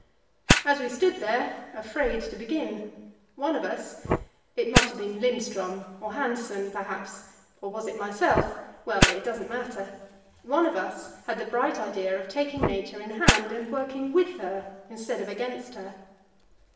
As we stood there, afraid to begin, one of us it must have been Lindström, or Hanssen perhaps, or was it myself? well, it doesn't matter one of us had the bright idea of taking Nature in hand, and working with her instead of against her.